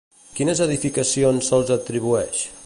Quines edificacions se'ls atribueix?